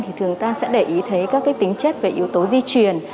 thì thường ta sẽ để ý thấy các tính chất và yếu tố di truyền